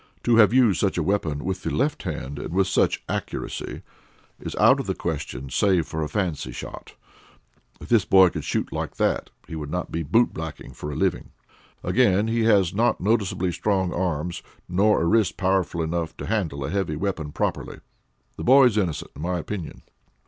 "To have used such a weapon with the left hand, and with such accuracy, is out of the question save for a fancy shot. If this boy could shoot like that, he would not be boot blacking for a living. "Again, he has not noticeably strong arms, nor a wrist powerful enough to handle a heavy weapon properly. The boy is innocent in my opinion."